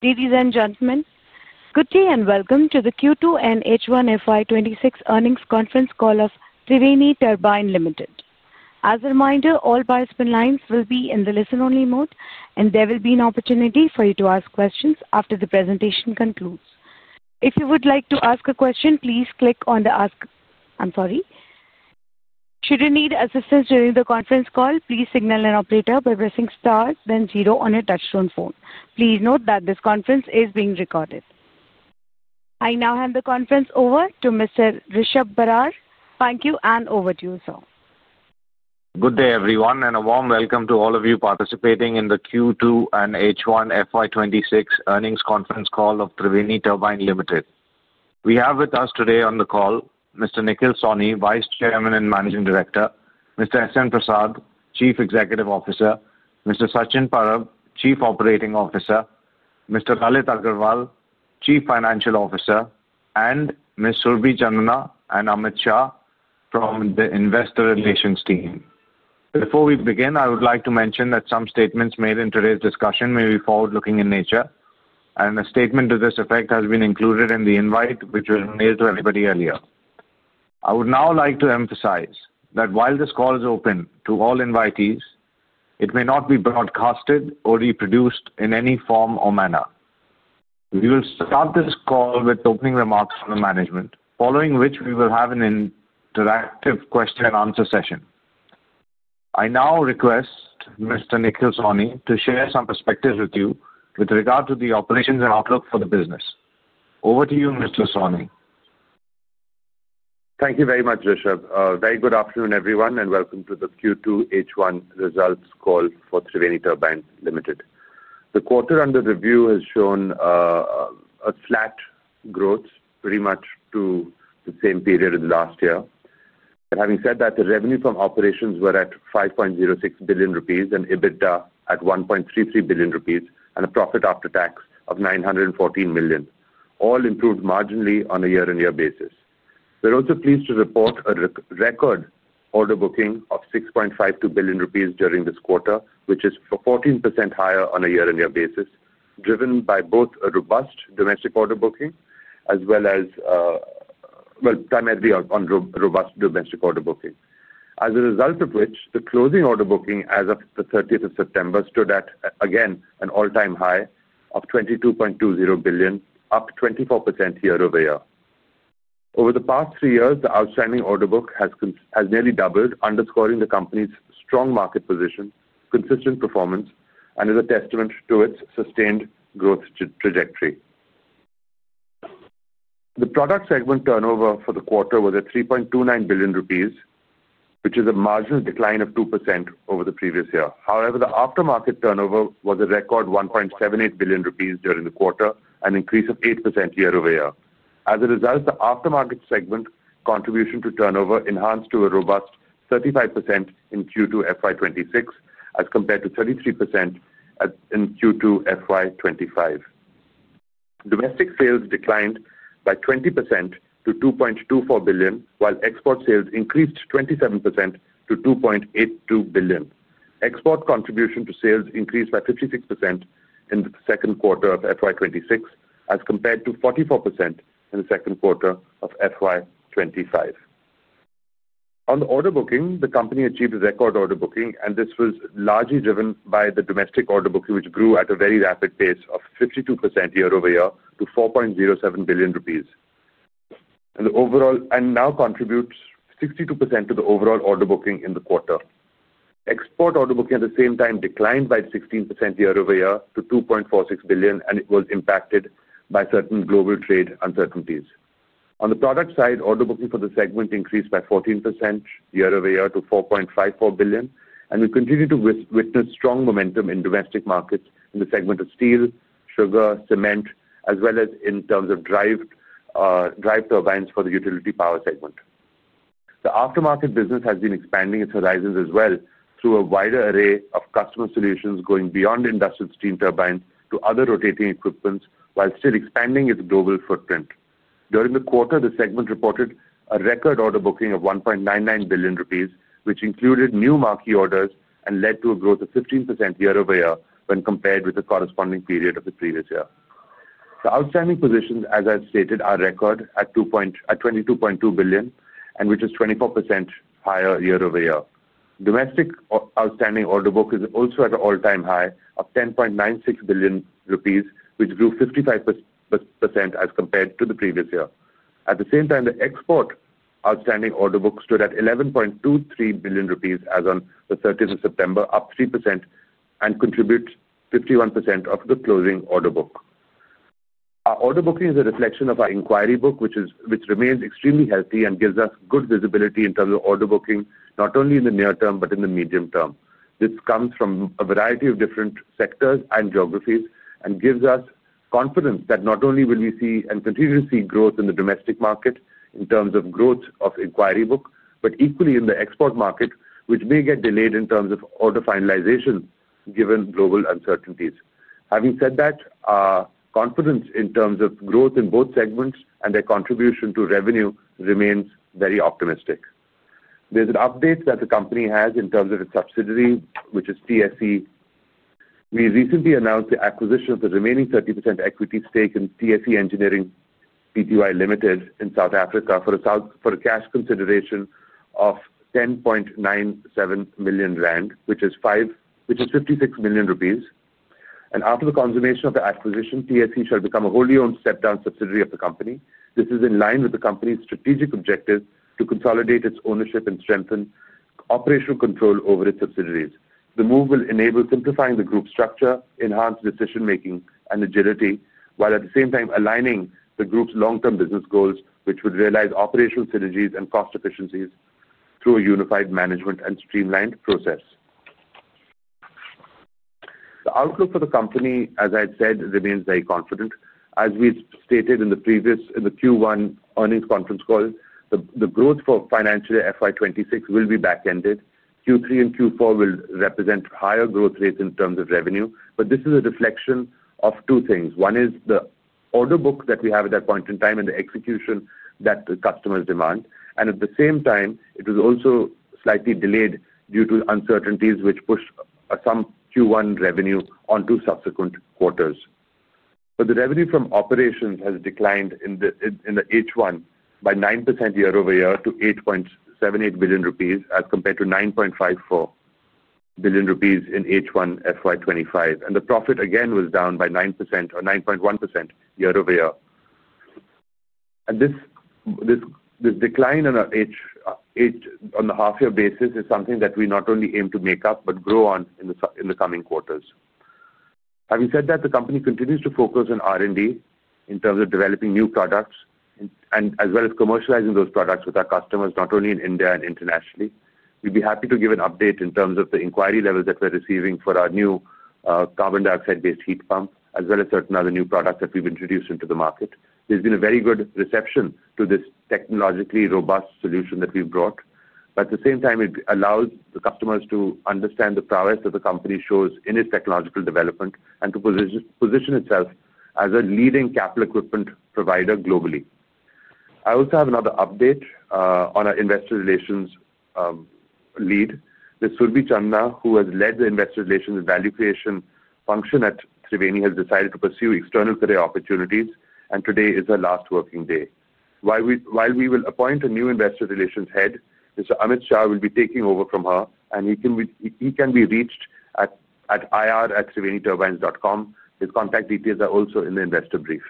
Ladies and gentlemen, good day and welcome to the Q2NH1FY2026 earnings conference call of Triveni Turbine Limited. As a reminder, all participant lines will be in the listen-only mode, and there will be an opportunity for you to ask questions after the presentation concludes. If you would like to ask a question, please click on the ask—I'm sorry. Should you need assistance during the conference call, please signal an operator by pressing star, then zero on your touchstone phone. Please note that this conference is being recorded. I now hand the conference over to Mr. Rishab Barar. Thank you, and over to you, sir. Good day, everyone, and a warm welcome to all of you participating in the Q2NH1FY2026 earnings conference call of Triveni Turbine Limited. We have with us today on the call Mr. Nikhil Sawhney, Vice Chairman and Managing Director; Mr. SN Prasad, Chief Executive Officer; Mr. Sachin Parab, Chief Operating Officer; Mr. Lalit Agarwal, Chief Financial Officer; and Ms. Surabhi Chandna and Amit Shah from the Investor Relations team. Before we begin, I would like to mention that some statements made in today's discussion may be forward-looking in nature, and a statement to this effect has been included in the invite which was mailed to everybody earlier. I would now like to emphasize that while this call is open to all invitees, it may not be broadcasted or reproduced in any form or manner. We will start this call with opening remarks from the management, following which we will have an interactive question-and-answer session. I now request Mr. Nikhil Sawhney to share some perspectives with you with regard to the operations and outlook for the business. Over to you, Mr. Sawhney. Thank you very much, Rishabh. Very good afternoon, everyone, and welcome to the Q2H1 results call for Triveni Turbine Limited. The quarter under review has shown a flat growth, pretty much to the same period as last year. Having said that, the revenue from operations were at 5.06 billion rupees and EBITDA at 1.33 billion rupees, and a profit after tax of 914 million, all improved marginally on a year-on-year basis. We're also pleased to report a record order booking of 6.52 billion rupees during this quarter, which is 14% higher on a year-on-year basis, driven by both a robust domestic order booking as well as, well, primarily on robust domestic order booking. As a result of which, the closing order booking as of the 30th of September stood at, again, an all-time high of 22.20 billion, up 24% year-over-year. Over the past three years, the outstanding order book has nearly doubled, underscoring the company's strong market position, consistent performance, and is a testament to its sustained growth trajectory. The product segment turnover for the quarter was at 3.29 billion rupees, which is a marginal decline of 2% over the previous year. However, the aftermarket turnover was a record 1.78 billion rupees during the quarter, an increase of 8% year-over-year. As a result, the aftermarket segment contribution to turnover enhanced to a robust 35% in Q2 FY2026 as compared to 33% in Q2 FY2025. Domestic sales declined by 20% to 2.24 billion, while export sales increased 27% to 2.82 billion. Export contribution to sales increased by 56% in the second quarter of FY2026 as compared to 44% in the second quarter of FY2025. On the order booking, the company achieved a record order booking, and this was largely driven by the domestic order booking, which grew at a very rapid pace of 52% year-over-year to 4.07 billion rupees. It now contributes 62% to the overall order booking in the quarter. Export order booking at the same time declined by 16% year-over-year to 2.46 billion, and it was impacted by certain global trade uncertainties. On the product side, order booking for the segment increased by 14% year-over-year to 4.54 billion, and we continue to witness strong momentum in domestic markets in the segment of steel, sugar, cement, as well as in terms of drive turbines for the utility power segment. The aftermarket business has been expanding its horizons as well through a wider array of customer solutions going beyond industrial steam turbines to other rotating equipment while still expanding its global footprint. During the quarter, the segment reported a record order booking of 1.99 billion rupees, which included new marquee orders and led to a growth of 15% year-over-year when compared with the corresponding period of the previous year. The outstanding positions, as I've stated, are record at 22.2 billion, which is 24% higher year-over-year. Domestic outstanding order book is also at an all-time high of 10.96 billion rupees, which grew 55% as compared to the previous year. At the same time, the export outstanding order book stood at 11.23 billion rupees as on the 30th of September, up 3%, and contributes 51% of the closing order book. Our order booking is a reflection of our inquiry book, which remains extremely healthy and gives us good visibility in terms of order booking not only in the near term but in the medium term. This comes from a variety of different sectors and geographies and gives us confidence that not only will we see and continue to see growth in the domestic market in terms of growth of inquiry book, but equally in the export market, which may get delayed in terms of order finalization given global uncertainties. Having said that, confidence in terms of growth in both segments and their contribution to revenue remains very optimistic. There is an update that the company has in terms of its subsidiary, which is TSE. We recently announced the acquisition of the remaining 30% equity stake in TSE Engineering PTY Limited in South Africa for a cash consideration of 10.97 million rand, which is 56 million rupees. After the consummation of the acquisition, TSE shall become a wholly-owned step-down subsidiary of the company. This is in line with the company's strategic objective to consolidate its ownership and strengthen operational control over its subsidiaries. The move will enable simplifying the group structure, enhanced decision-making, and agility, while at the same time aligning the group's long-term business goals, which would realize operational synergies and cost efficiencies through a unified management and streamlined process. The outlook for the company, as I've said, remains very confident. As we stated in the previous Q1 earnings conference call, the growth for financial year FY2026 will be back-ended. Q3 and Q4 will represent higher growth rates in terms of revenue, but this is a reflection of two things. One is the order book that we have at that point in time and the execution that the customers demand. At the same time, it was also slightly delayed due to uncertainties which pushed some Q1 revenue onto subsequent quarters. The revenue from operations has declined in the H1 by 9% year-over-year to 8.78 billion rupees as compared to 9.54 billion rupees in H1 FY2025. The profit, again, was down by 9% or 9.1% year-over-year. This decline on the half-year basis is something that we not only aim to make up but grow on in the coming quarters. Having said that, the company continues to focus on R&D in terms of developing new products and as well as commercializing those products with our customers, not only in India and internationally. We'd be happy to give an update in terms of the inquiry levels that we're receiving for our new carbon dioxide-based heat pump, as well as certain other new products that we've introduced into the market. There's been a very good reception to this technologically robust solution that we've brought. At the same time, it allows the customers to understand the prowess that the company shows in its technological development and to position itself as a leading capital equipment provider globally. I also have another update on our investor relations lead. Ms. Surabhi Chandna, who has led the investor relations and value creation function at Triveni, has decided to pursue external career opportunities, and today is her last working day. While we will appoint a new investor relations head, Mr. Amit Shah will be taking over from her, and he can be reached at ir@triveni-turbines.com. His contact details are also in the investor brief.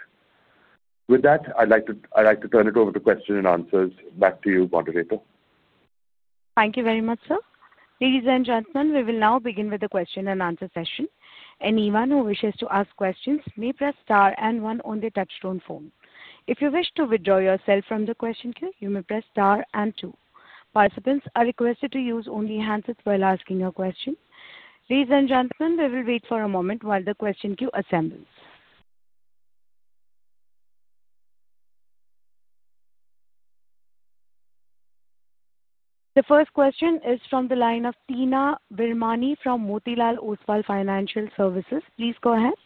With that, I'd like to turn it over to question and answers back to you, Moderator. Thank you very much, sir. Ladies and gentlemen, we will now begin with the question and answer session. Anyone who wishes to ask questions may press star and one on the touchstone phone. If you wish to withdraw yourself from the question queue, you may press star and two. Participants are requested to use only handsets while asking a question. Ladies and gentlemen, we will wait for a moment while the question queue assembles. The first question is from the line of Teena Virmani from Motilal Oswal Financial Services. Please go ahead.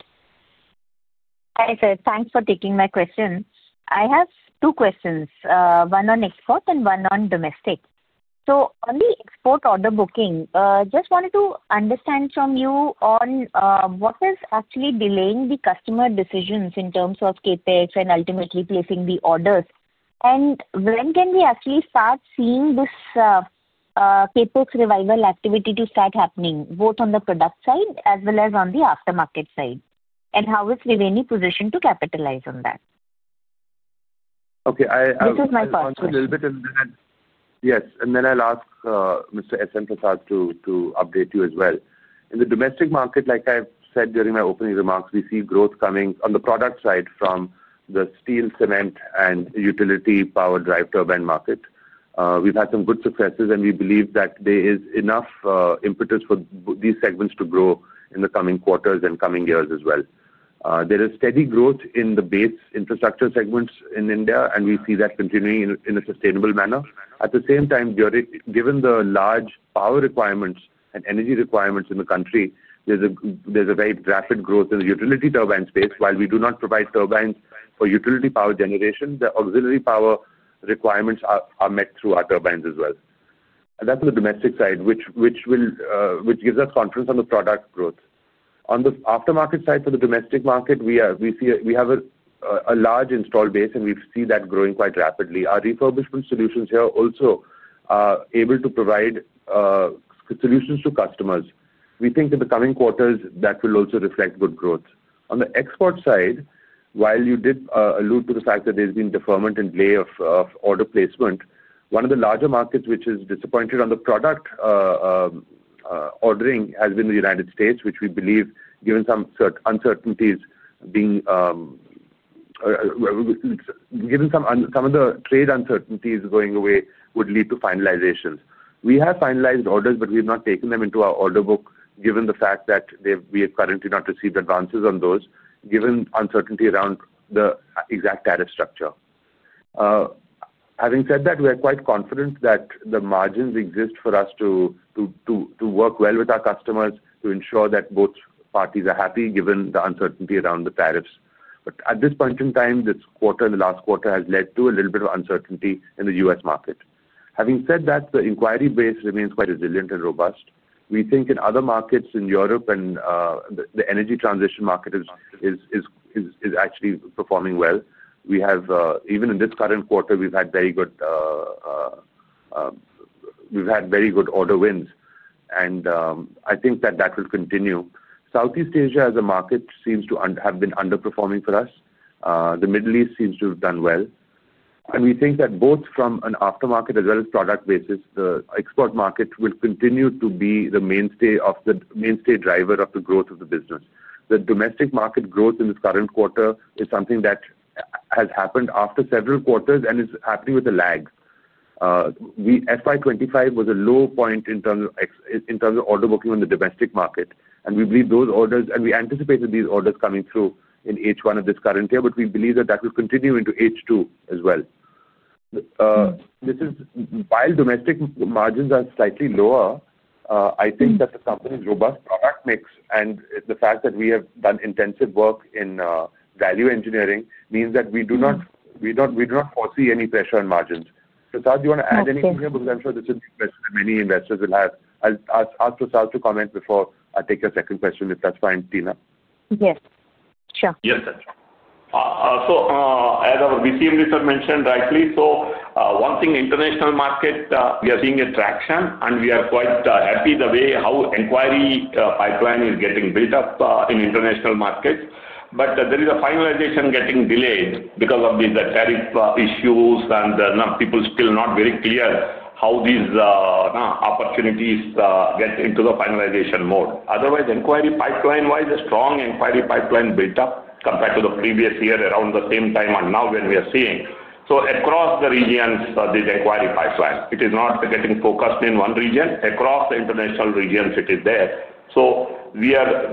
Hi sir, thanks for taking my question. I have two questions, one on export and one on domestic. On the export order booking, I just wanted to understand from you what is actually delaying the customer decisions in terms of CapEx and ultimately placing the orders. When can we actually start seeing this CapEx revival activity to start happening, both on the product side as well as on the aftermarket side, and how is Triveni positioned to capitalize on that? Okay, I'll answer a little bit in that. Yes, and then I'll ask Mr. S.N. Prasad to update you as well. In the domestic market, like I've said during my opening remarks, we see growth coming on the product side from the steel, cement, and utility power drive turbine market. We've had some good successes, and we believe that there is enough impetus for these segments to grow in the coming quarters and coming years as well. There is steady growth in the base infrastructure segments in India, and we see that continuing in a sustainable manner. At the same time, given the large power requirements and energy requirements in the country, there's a very rapid growth in the utility turbine space. While we do not provide turbines for utility power generation, the auxiliary power requirements are met through our turbines as well. That is the domestic side, which gives us confidence on the product growth. On the aftermarket side for the domestic market, we have a large installed base, and we see that growing quite rapidly. Our refurbishment solutions here are also able to provide solutions to customers. We think in the coming quarters that will also reflect good growth. On the export side, while you did allude to the fact that there has been deferment in delay of order placement, one of the larger markets which has disappointed on the product ordering has been the United States, which we believe, given some uncertainties, given some of the trade uncertainties going away, would lead to finalizations. We have finalized orders, but we have not taken them into our order book given the fact that we have currently not received advances on those, given uncertainty around the exact tariff structure. Having said that, we are quite confident that the margins exist for us to work well with our customers to ensure that both parties are happy given the uncertainty around the tariffs. At this point in time, this quarter and the last quarter has led to a little bit of uncertainty in the U.S. market. Having said that, the inquiry base remains quite resilient and robust. We think in other markets in Europe and the energy transition market is actually performing well. Even in this current quarter, we've had very good order wins, and I think that that will continue. Southeast Asia as a market seems to have been underperforming for us. The Middle East seems to have done well. We think that both from an aftermarket as well as product basis, the export market will continue to be the mainstay driver of the growth of the business. The domestic market growth in this current quarter is something that has happened after several quarters and is happening with a lag. FY2025 was a low point in terms of order booking on the domestic market, and we believe those orders and we anticipated these orders coming through in H1 of this current year, but we believe that that will continue into H2 as well. While domestic margins are slightly lower, I think that the company's robust product mix and the fact that we have done intensive work in value engineering means that we do not foresee any pressure on margins. Prasad, do you want to add anything here? Because I'm sure this is a question that many investors will have. I'll ask Prasad to comment before I take your second question, if that's fine, Teena. Yes, sure. Yes, sir. As our VCM list had mentioned rightly, one thing, international market, we are seeing a traction, and we are quite happy the way how inquiry pipeline is getting built up in international markets. There is a finalization getting delayed because of these tariff issues, and people are still not very clear how these opportunities get into the finalization mode. Otherwise, inquiry pipeline-wise, a strong inquiry pipeline built up compared to the previous year around the same time and now when we are seeing. Across the regions, this inquiry pipeline, it is not getting focused in one region. Across the international regions, it is there.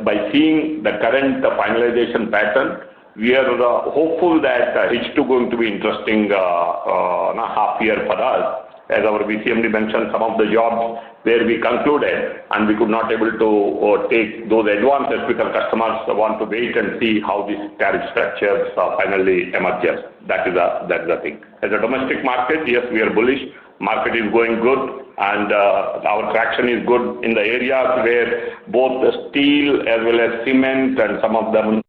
By seeing the current finalization pattern, we are hopeful that H2 is going to be interesting half year for us. As our VCM mentioned, some of the jobs where we concluded, and we could not able to take those advances because customers want to wait and see how these tariff structures finally emerge. That is the thing. As a domestic market, yes, we are bullish. Market is going good, and our traction is good in the areas where both steel as well as cement and some of the.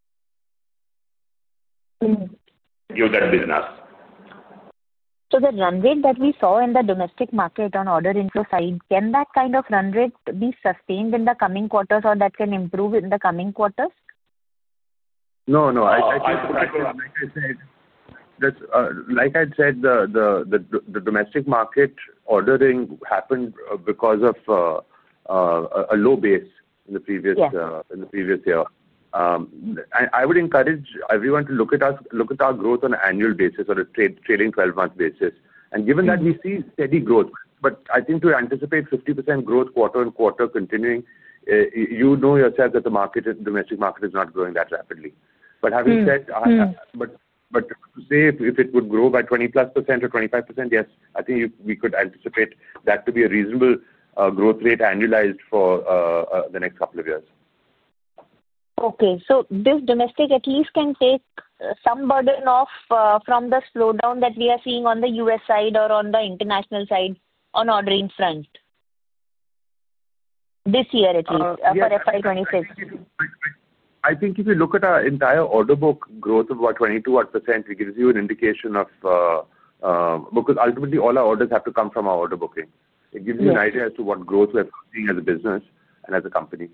The run rate that we saw in the domestic market on order info side, can that kind of run rate be sustained in the coming quarters or can that improve in the coming quarters? No, no. Like I said, like I'd said, the domestic market ordering happened because of a low base in the previous year. I would encourage everyone to look at our growth on an annual basis or a trailing 12-month basis. Given that we see steady growth, I think to anticipate 50% growth quarter-on-quarter continuing, you know yourself that the domestic market is not growing that rapidly. Having said that, to say if it would grow by 20% or 25%, yes, I think we could anticipate that to be a reasonable growth rate annualized for the next couple of years. Okay, so this domestic at least can take some burden off from the slowdown that we are seeing on the U.S. side or on the international side on ordering front this year at least for FY 2026? I think if you look at our entire order book growth of about 22% odd, it gives you an indication of because ultimately all our orders have to come from our order booking. It gives you an idea as to what growth we're seeing as a business and as a company.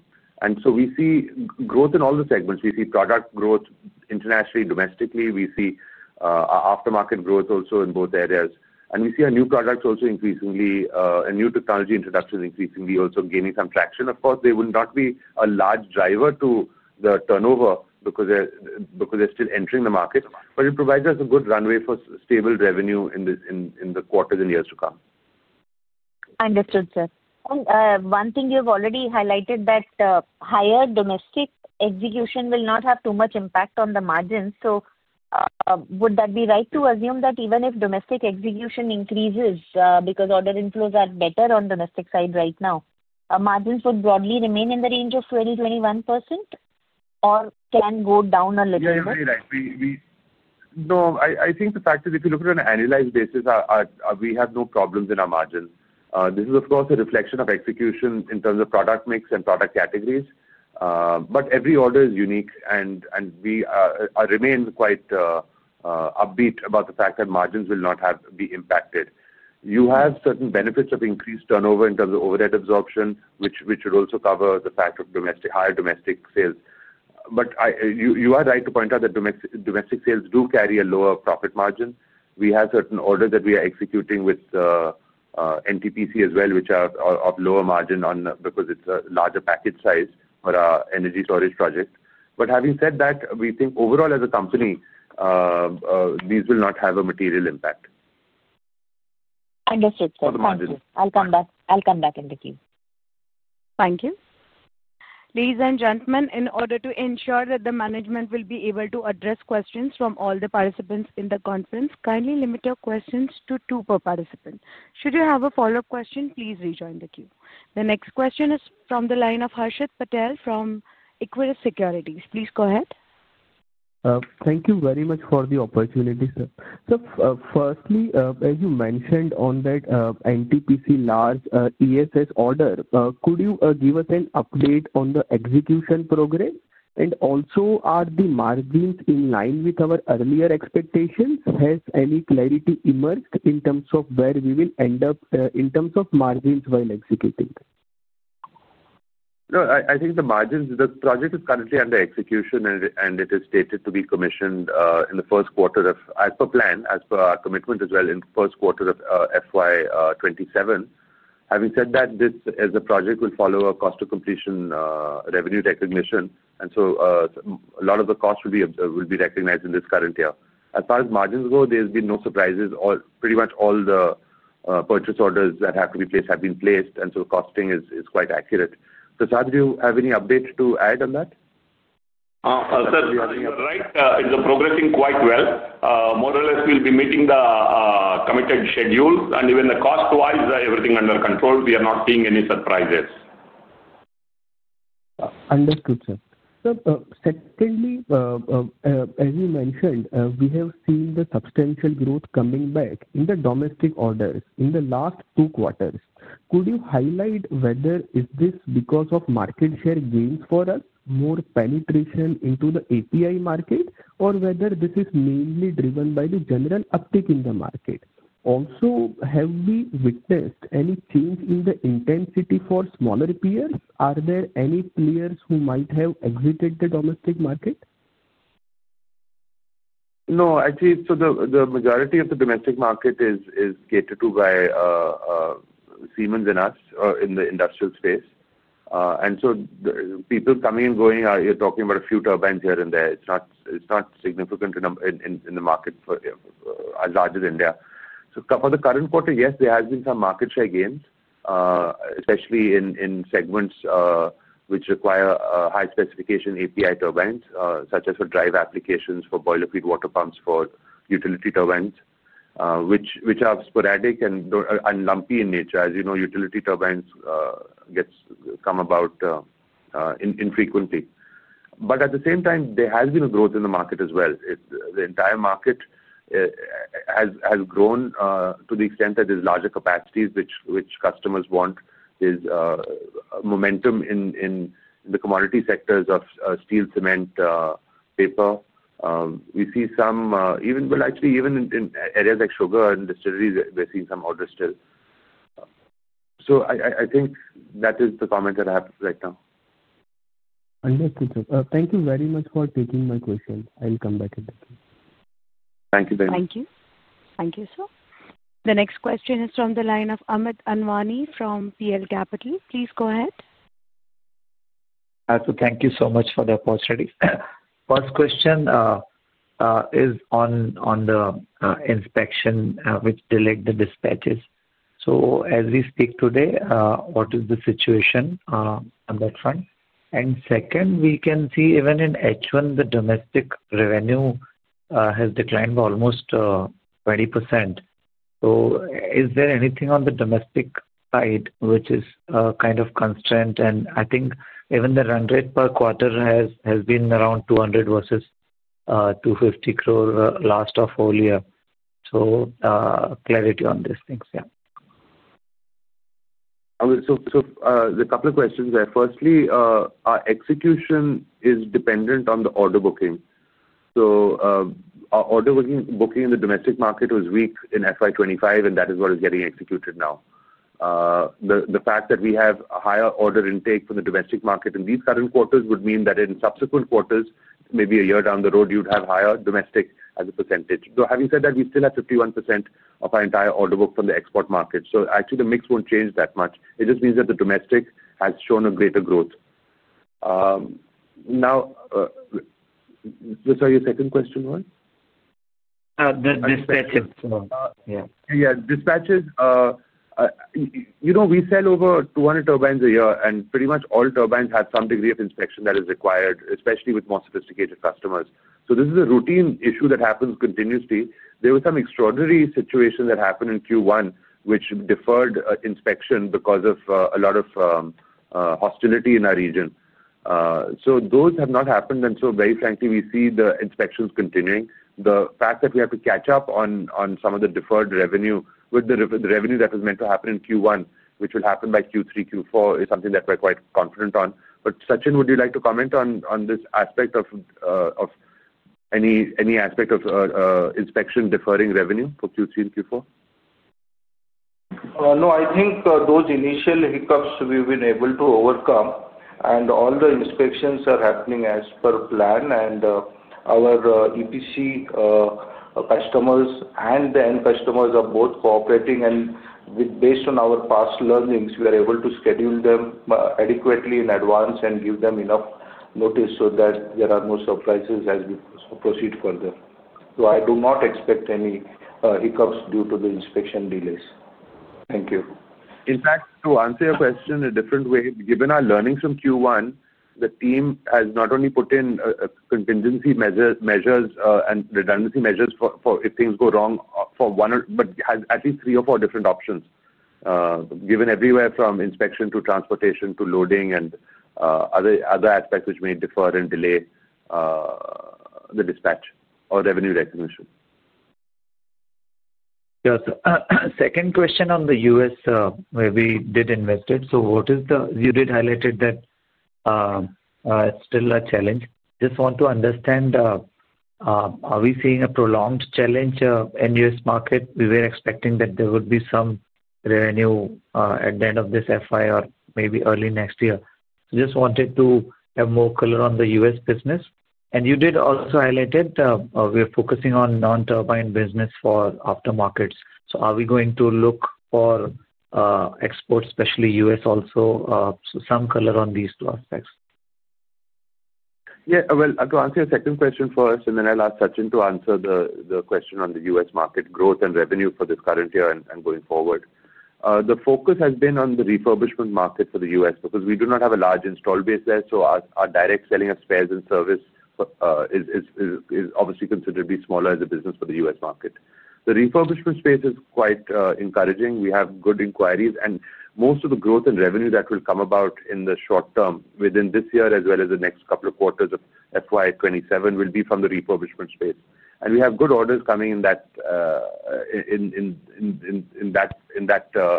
We see growth in all the segments. We see product growth internationally, domestically. We see aftermarket growth also in both areas. We see our new products also increasingly and new technology introductions increasingly also gaining some traction. Of course, they will not be a large driver to the turnover because they're still entering the market, but it provides us a good runway for stable revenue in the quarters and years to come. Understood, sir. One thing you've already highlighted that higher domestic execution will not have too much impact on the margins. Would that be right to assume that even if domestic execution increases because order inflows are better on the domestic side right now, margins would broadly remain in the range of 20%-21% or can go down a little bit? You're exactly right. No, I think the fact is if you look at it on an annualized basis, we have no problems in our margins. This is, of course, a reflection of execution in terms of product mix and product categories. Every order is unique, and we remain quite upbeat about the fact that margins will not be impacted. You have certain benefits of increased turnover in terms of overhead absorption, which would also cover the fact of higher domestic sales. You are right to point out that domestic sales do carry a lower profit margin. We have certain orders that we are executing with NTPC as well, which are of lower margin because it is a larger package size for our energy storage project. Having said that, we think overall as a company, these will not have a material impact. Understood, sir. For the margins. Thank you. I'll come back in the queue. Thank you. Ladies and gentlemen, in order to ensure that the management will be able to address questions from all the participants in the conference, kindly limit your questions to two per participant. Should you have a follow-up question, please rejoin the queue. The next question is from the line of Harshad Patel from ICICI Securities. Please go ahead. Thank you very much for the opportunity, sir. Firstly, as you mentioned on that NTPC large ESS order, could you give us an update on the execution progress? Also, are the margins in line with our earlier expectations? Has any clarity emerged in terms of where we will end up in terms of margins while executing? No, I think the margins, the project is currently under execution, and it is stated to be commissioned in the first quarter as per plan, as per our commitment as well in the first quarter of FY 2027. Having said that, this is a project that will follow a cost of completion revenue recognition. A lot of the costs will be recognized in this current year. As far as margins go, there have been no surprises. Pretty much all the purchase orders that have to be placed have been placed, and so costing is quite accurate. Prasad, do you have any updates to add on that? Right, it's progressing quite well. More or less, we'll be meeting the committed schedule, and even cost-wise, everything is under control. We are not seeing any surprises. Understood, sir. Secondly, as you mentioned, we have seen the substantial growth coming back in the domestic orders in the last two quarters. Could you highlight whether this is because of market share gains for us, more penetration into the API market, or whether this is mainly driven by the general uptick in the market? Also, have we witnessed any change in the intensity for smaller players? Are there any players who might have exited the domestic market? No, actually, so the majority of the domestic market is catered to by Siemens and us in the industrial space. And so people coming and going, you're talking about a few turbines here and there. It's not significant in the market as large as India. For the current quarter, yes, there has been some market share gains, especially in segments which require high-specification API turbines, such as for drive applications for boiler feed water pumps for utility turbines, which are sporadic and lumpy in nature. As you know, utility turbines come about infrequently. At the same time, there has been a growth in the market as well. The entire market has grown to the extent that there's larger capacities which customers want. There's momentum in the commodity sectors of steel, cement, paper. We see some, actually, even in areas like sugar and distilleries, we're seeing some orders still. I think that is the comment that I have right now. Understood, sir. Thank you very much for taking my question. I'll come back in the queue. Thank you very much. Thank you. Thank you, sir. The next question is from the line of Amit Anwani from PL Capital. Please go ahead. Thank you so much for the opportunity. First question is on the inspection which delayed the dispatches. As we speak today, what is the situation on that front? Second, we can see even in H1, the domestic revenue has declined almost 20%. Is there anything on the domestic side which is kind of a constraint? I think even the run rate per quarter has been around 2.00 billion versus 2.50 billion last full year. Clarity on these things, yeah. There are a couple of questions there. Firstly, our execution is dependent on the order booking. Our order booking in the domestic market was weak in FY 2025, and that is what is getting executed now. The fact that we have a higher order intake from the domestic market in these current quarters would mean that in subsequent quarters, maybe a year down the road, you would have higher domestic as a percentage. Having said that, we still have 51% of our entire order book from the export market. Actually, the mix will not change that much. It just means that the domestic has shown a greater growth. Your second question was? Dispatches, yeah. Yeah, dispatches. We sell over 200 turbines a year, and pretty much all turbines have some degree of inspection that is required, especially with more sophisticated customers. This is a routine issue that happens continuously. There were some extraordinary situations that happened in Q1, which deferred inspection because of a lot of hostility in our region. Those have not happened. Very frankly, we see the inspections continuing. The fact that we have to catch up on some of the deferred revenue with the revenue that was meant to happen in Q1, which will happen by Q3, Q4, is something that we're quite confident on. Sachin, would you like to comment on this aspect of any aspect of inspection deferring revenue for Q3 and Q4? No, I think those initial hiccups we've been able to overcome. All the inspections are happening as per plan. Our EPC customers and the end customers are both cooperating. Based on our past learnings, we are able to schedule them adequately in advance and give them enough notice so that there are no surprises as we proceed further. I do not expect any hiccups due to the inspection delays. Thank you. In fact, to answer your question in a different way, given our learnings from Q1, the team has not only put in contingency measures and redundancy measures if things go wrong for one or but has at least three or four different options, given everywhere from inspection to transportation to loading and other aspects which may defer and delay the dispatch or revenue recognition. Yes. Second question on the U.S. where we did invest. What is the, you did highlight that it's still a challenge. Just want to understand, are we seeing a prolonged challenge in the U.S. market? We were expecting that there would be some revenue at the end of this financial year or maybe early next year. Just wanted to have more color on the U.S. business. You did also highlight that we're focusing on non-turbine business for aftermarket services. Are we going to look for exports, especially U.S., also some color on these two aspects? Yeah. To answer your second question first, and then I'll ask Sachin to answer the question on the U.S. market growth and revenue for this current year and going forward. The focus has been on the refurbishment market for the U.S. because we do not have a large install base there. Our direct selling of spares and service is obviously considerably smaller as a business for the U.S. market. The refurbishment space is quite encouraging. We have good inquiries. Most of the growth and revenue that will come about in the short term within this year as well as the next couple of quarters of FY2027 will be from the refurbishment space. We have good orders coming in that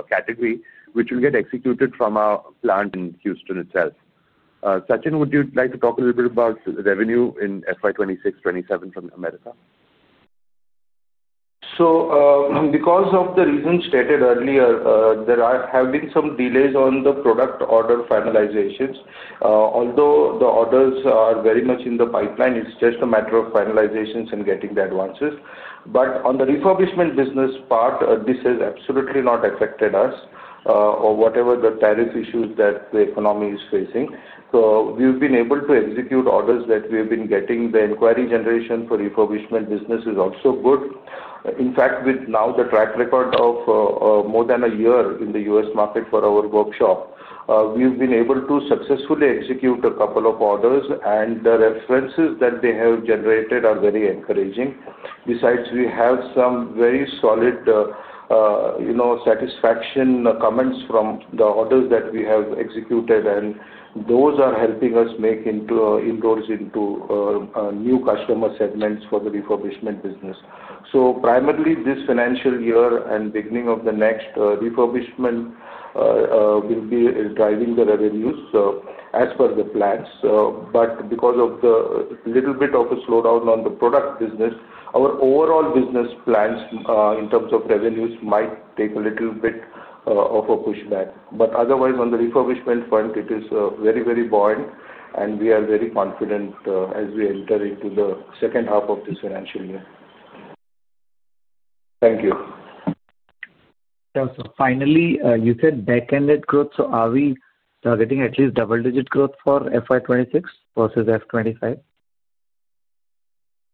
category, which will get executed from our plant in Houston itself. Sachin, would you like to talk a little bit about revenue in FY2026, 2027 from America? Because of the reasons stated earlier, there have been some delays on the product order finalizations. Although the orders are very much in the pipeline, it's just a matter of finalizations and getting the advances. On the refurbishment business part, this has absolutely not affected us or whatever the tariff issues that the economy is facing. We've been able to execute orders that we have been getting. The inquiry generation for refurbishment business is also good. In fact, with now the track record of more than a year in the U.S. market for our workshop, we've been able to successfully execute a couple of orders. The references that they have generated are very encouraging. Besides, we have some very solid satisfaction comments from the orders that we have executed. Those are helping us make inroads into new customer segments for the refurbishment business. Primarily, this financial year and beginning of the next, refurbishment will be driving the revenues as per the plans. Because of a little bit of a slowdown on the product business, our overall business plans in terms of revenues might take a little bit of a pushback. Otherwise, on the refurbishment front, it is very, very buoyant. We are very confident as we enter into the second half of this financial year. Thank you. Finally, you said back-ended growth. Are we targeting at least double-digit growth for FY2026 versus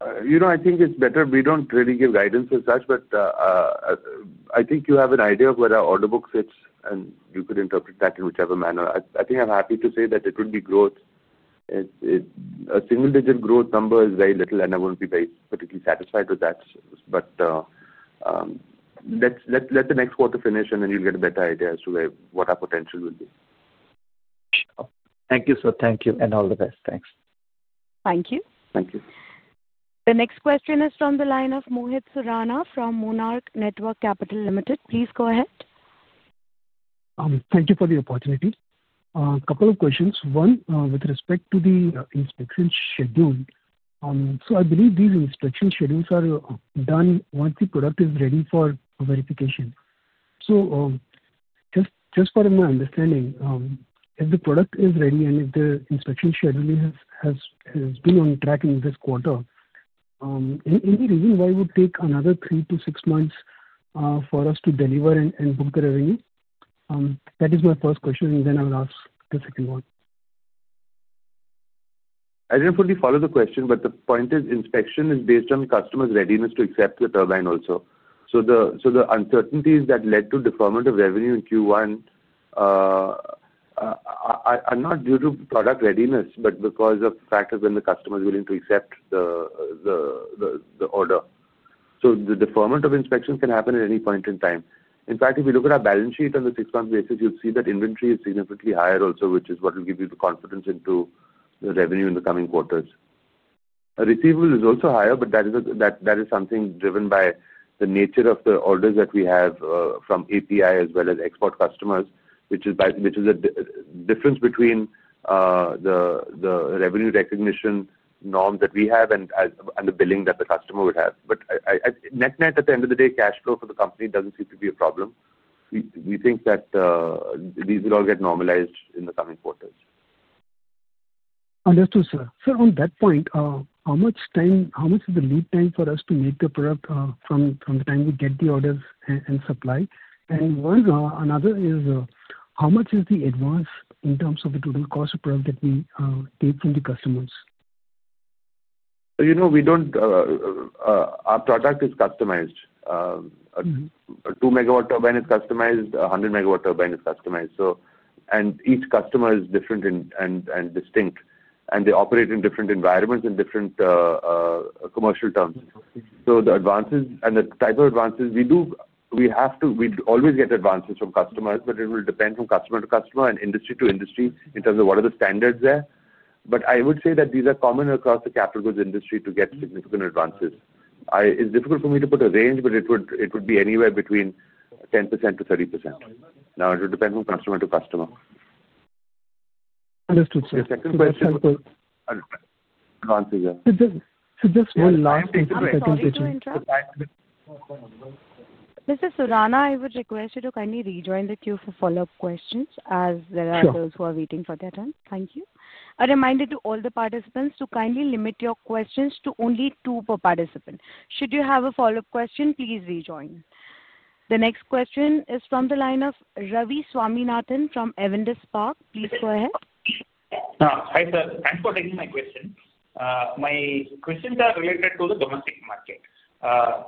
FY2025? I think it's better. We don't really give guidance as such. I think you have an idea of where our order book sits, and you could interpret that in whichever manner. I think I'm happy to say that it would be growth. A single-digit growth number is very little, and I wouldn't be particularly satisfied with that. Let the next quarter finish, and then you'll get a better idea as to what our potential will be. Thank you, sir. Thank you. All the best. Thanks. Thank you. Thank you. The next question is from the line of Mohit Surana from Monarch Networth Capital Limited. Please go ahead. Thank you for the opportunity. A couple of questions. One, with respect to the inspection schedule. I believe these inspection schedules are done once the product is ready for verification. Just for my understanding, if the product is ready and if the inspection schedule has been on track in this quarter, is there a reason why it would take another three to six months for us to deliver and book the revenue? That is my first question. I will ask the second one. I did not fully follow the question, but the point is inspection is based on customer's readiness to accept the turbine also. The uncertainties that led to deferment of revenue in Q1 are not due to product readiness, but because of factors when the customer is willing to accept the order. The deferment of inspection can happen at any point in time. In fact, if you look at our balance sheet on the six-month basis, you will see that inventory is significantly higher also, which is what will give you the confidence into the revenue in the coming quarters. Receivable is also higher, but that is something driven by the nature of the orders that we have from API as well as export customers, which is the difference between the revenue recognition norm that we have and the billing that the customer would have. Net-net at the end of the day, cash flow for the company doesn't seem to be a problem. We think that these will all get normalized in the coming quarters. Understood, sir. On that point, how much is the lead time for us to make the product from the time we get the orders and supply? Another is, how much is the advance in terms of the total cost of product that we take from the customers? We do not. Our product is customized. A 2 MW turbine is customized. A 100 MW turbine is customized. Each customer is different and distinct. They operate in different environments and different commercial terms. The advances and the type of advances we do, we always get advances from customers, but it will depend from customer to customer and industry to industry in terms of what are the standards there. I would say that these are common across the capital goods industry to get significant advances. It is difficult for me to put a range, but it would be anywhere between 10%-30%. It will depend from customer to customer. Understood, sir. The second question was. Just one last thing to the second question. Mr. Surana, I would request you to kindly rejoin the queue for follow-up questions as there are those who are waiting for their turn. Thank you. A reminder to all the participants to kindly limit your questions to only two per participant. Should you have a follow-up question, please rejoin. The next question is from the line of Ravi Swaminathan from Avendus Spark. Please go ahead. Hi, sir. Thanks for taking my question. My questions are related to the domestic market.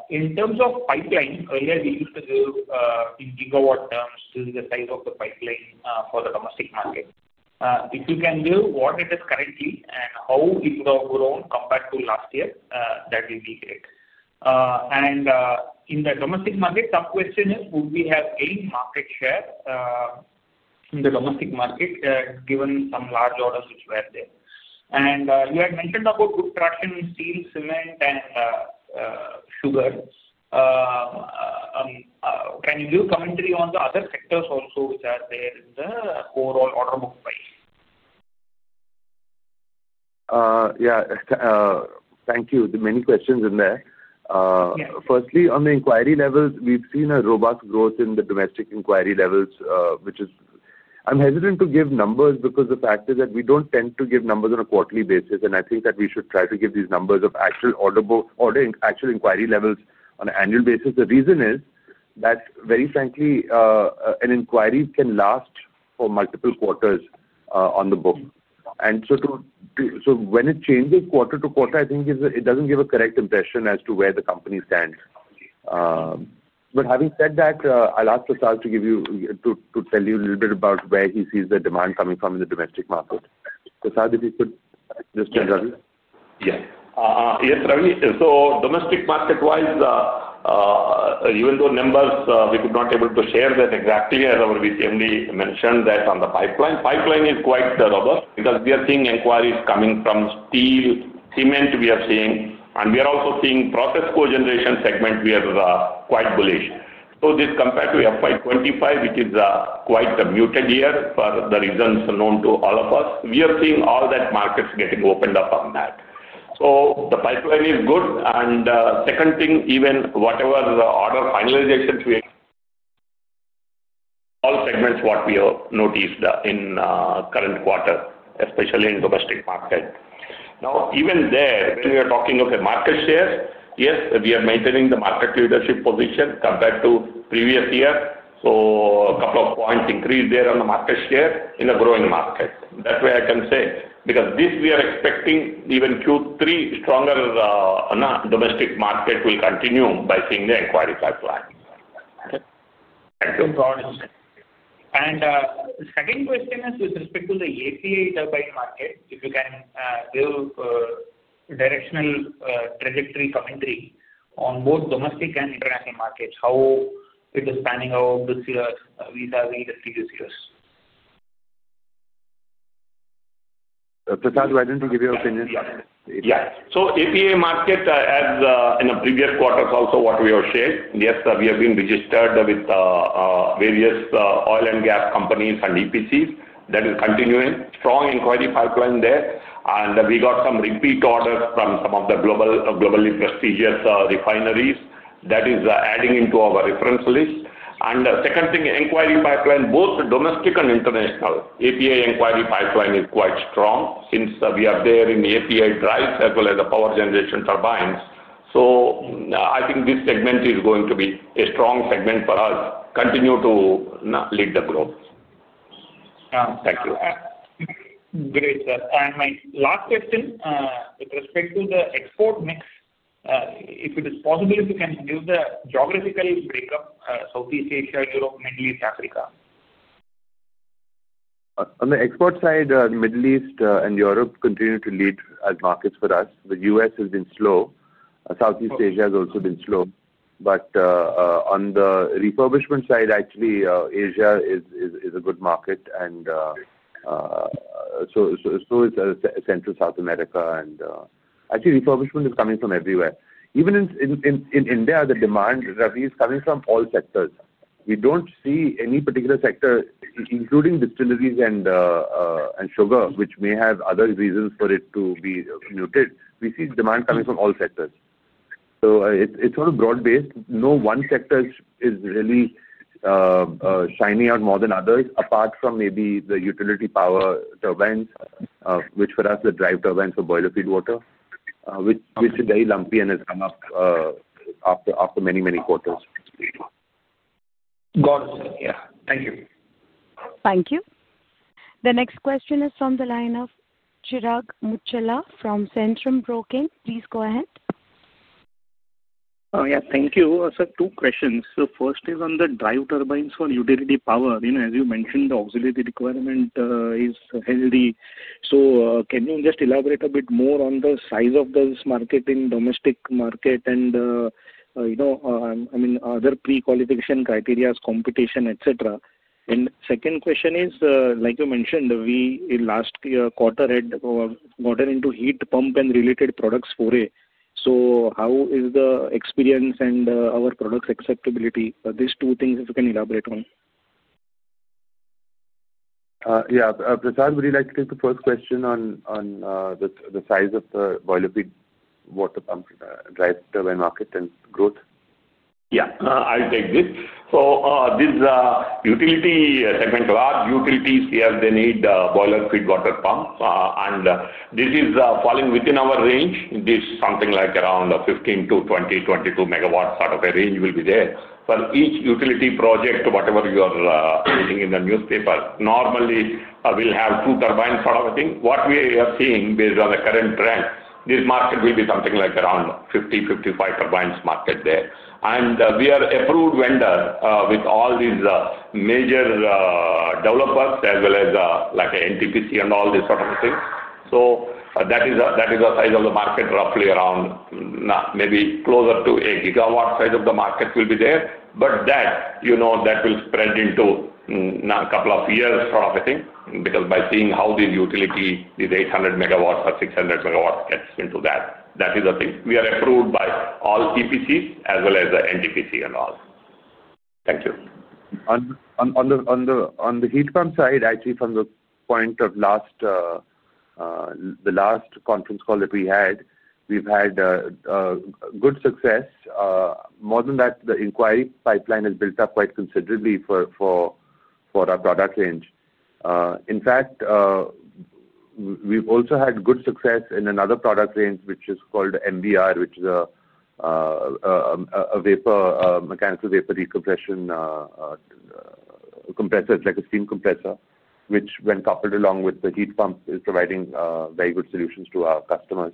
In terms of pipeline, earlier we used to give in gigawatt terms to the size of the pipeline for the domestic market. If you can give what it is currently and how it would have grown compared to last year, that will be great. In the domestic market, tough question is, would we have gained market share in the domestic market given some large orders which were there? You had mentioned about good production in steel, cement, and sugar. Can you give commentary on the other sectors also which are there in the overall order book price? Yeah. Thank you. There are many questions in there. Firstly, on the inquiry levels, we've seen a robust growth in the domestic inquiry levels, which is, I'm hesitant to give numbers because the fact is that we don't tend to give numbers on a quarterly basis. I think that we should try to give these numbers of actual inquiry levels on an annual basis. The reason is that, very frankly, an inquiry can last for multiple quarters on the book. When it changes quarter-to-quarter, I think it doesn't give a correct impression as to where the company stands. Having said that, I'll ask Prasad to tell you a little bit about where he sees the demand coming from in the domestic market. Prasad, if you could just tell Ravi. Yes. Yes, Ravi. Domestic market-wise, even though numbers we could not be able to share that exactly as our VCMD mentioned that on the pipeline. Pipeline is quite robust because we are seeing inquiries coming from steel, cement we are seeing. We are also seeing process cogeneration segment where we are quite bullish. This compared to FY2025, which is quite a muted year for the reasons known to all of us, we are seeing all that markets getting opened up on that. The pipeline is good. Second thing, even whatever order finalizations we have, all segments what we have noticed in current quarter, especially in domestic market. Now, even there, when we are talking of the market share, yes, we are maintaining the market leadership position compared to previous year. A couple of points increase there on the market share in a growing market. That's what I can say. Because this we are expecting even Q3, stronger domestic market will continue by seeing the inquiry pipeline. Thank you. No problem. The second question is with respect to the API turbine market, if you can give directional trajectory commentary on both domestic and international markets, how it is panning out this year vis-à-vis the previous years? Prasad, why don't you give your opinion? Yeah. API market, as in the previous quarter, is also what we are sharing. Yes, we have been registered with various oil and gas companies and EPCs. That is continuing. Strong inquiry pipeline there. We got some repeat orders from some of the globally prestigious refineries. That is adding into our reference list. The second thing, inquiry pipeline, both domestic and international, API inquiry pipeline is quite strong since we are there in API drives as well as the power generation turbines. I think this segment is going to be a strong segment for us, continue to lead the growth. Thank you. Great, sir. My last question with respect to the export mix, if it is possible, if you can give the geographical breakup, Southeast Asia, Europe, Middle East, Africa. On the export side, Middle East and Europe continue to lead as markets for us. The U.S. has been slow. Southeast Asia has also been slow. On the refurbishment side, actually, Asia is a good market. Central South America is as well. Actually, refurbishment is coming from everywhere. Even in India, the demand, Ravi, is coming from all sectors. We do not see any particular sector, including distilleries and sugar, which may have other reasons for it to be muted. We see demand coming from all sectors. It is sort of broad-based. No one sector is really shining out more than others, apart from maybe the utility power turbines, which for us are drive turbines for boiler feed water, which is very lumpy and has come up after many, many quarters. Got it. Yeah. Thank you. Thank you. The next question is from the line of Chirag Muchhala from Centrum Broking. Please go ahead. Oh, yeah. Thank you. Two questions. First is on the drive turbines for utility power. As you mentioned, the auxiliary requirement is heavy. Can you just elaborate a bit more on the size of this market in domestic market and, I mean, other pre-qualification criteria, competition, etc.? Second question is, like you mentioned, we last quarter had gotten into heat pump and related products foray. How is the experience and our product's acceptability? These two things, if you can elaborate on. Yeah. Prasad, would you like to take the first question on the size of the boiler feed water pump drive turbine market and growth? Yeah. I'll take this. This utility segment, large utilities, they need boiler feed water pump. This is falling within our range. This is something like around 15 MW-20 MW, 22 MW sort of a range will be there. For each utility project, whatever you are reading in the newspaper, normally we'll have two turbines sort of a thing. What we are seeing based on the current trend, this market will be something like around 50 turbones-55 turbines market there. We are approved vendor with all these major developers as well as like NTPC and all these sort of things. That is the size of the market, roughly around maybe closer to a gigawatt size of the market will be there. That will spread into a couple of years sort of a thing because by seeing how the utility, these 800 MW or 600 MW gets into that, that is the thing. We are approved by all EPCs as well as NTPC and all. Thank you. On the heat pump side, actually, from the point of the last conference call that we had, we've had good success. More than that, the inquiry pipeline has built up quite considerably for our product range. In fact, we've also had good success in another product range, which is called MVR, which is a mechanical vapor recompression compressor, like a steam compressor, which when coupled along with the heat pump is providing very good solutions to our customers.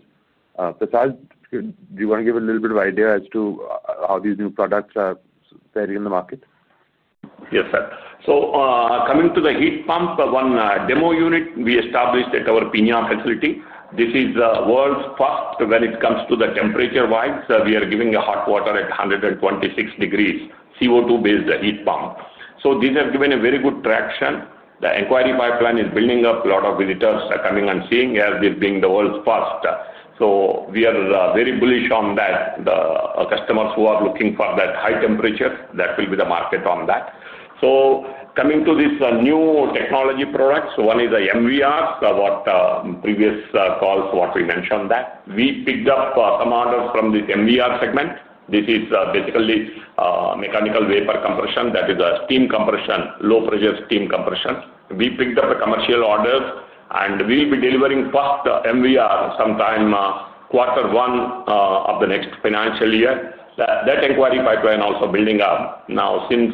Prasad, do you want to give a little bit of idea as to how these new products are faring in the market? Yes, sir. Coming to the heat pump, one demo unit we established at our PENA facility. This is the world's first when it comes to the temperature wise. We are giving hot water at 126 degrees Celsius, CO2-based heat pump. These have given a very good traction. The inquiry pipeline is building up. A lot of visitors are coming and seeing as this being the world's first. We are very bullish on that. The customers who are looking for that high temperature, that will be the market on that. Coming to this new technology products, one is MVR, what previous calls what we mentioned that. We picked up some orders from this MVR segment. This is basically mechanical vapor recompression. That is a steam compression, low-pressure steam compression. We picked up the commercial orders, and we'll be delivering first MVR sometime quarter one of the next financial year. That inquiry pipeline also building up now since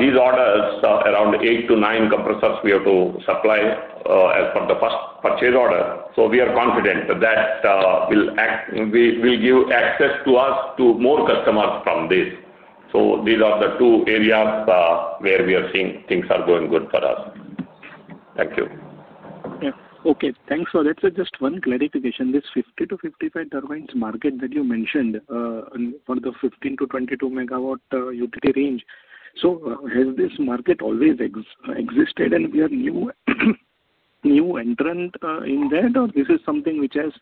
these orders, around eight to nine compressors we have to supply as per the first purchase order. We are confident that this will give access to us to more customers from this. These are the two areas where we are seeing things are going good for us. Thank you. Yeah. Okay. Thanks. That's just one clarification. This 50 turbines-55 turbines market that you mentioned for the 15 MW-22 MW utility range, has this market always existed and we are new entrant in that, or is this something which has